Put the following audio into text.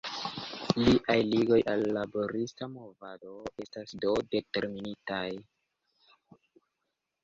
Liaj ligoj al la laborista movado estas, do, determinitaj.